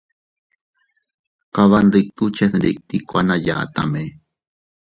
Kabandikku chefgnditiy kuana yatame.